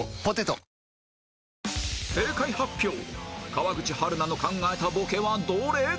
川口春奈の考えたボケはどれ？